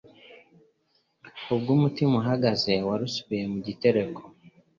Ubwo umutima uhagaze wari usubiye mu gitereko,